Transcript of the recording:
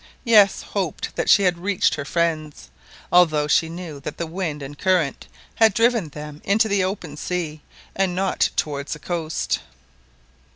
Yes, hoped that she had reached her friends, although she knew that the wind and current had driven them into the open sea, and not towards the coast!